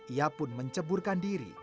ia pun menceburkan diri